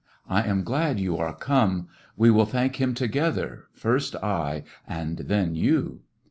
I am glad you are come. "We will thank Him together, first I and then you."